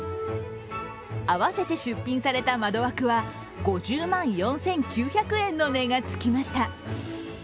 合わせて出品された窓枠は５０万４９００万円の値がつきました。